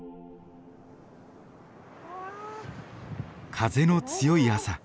風の強い朝。